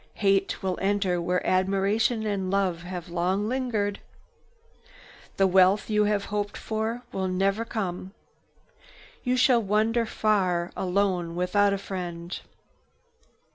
Hate will enter where admiration and love have lingered long. The wealth you have hoped for will never come. You shall wander far alone without a friend."